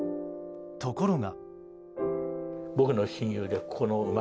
ところが。